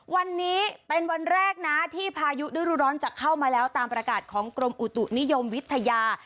วันนี้เป็นวันแรกนะที่พายุฤดูร้อนจะเข้ามาแล้วตามประกาศของกรมอุตุนิยมวิทยา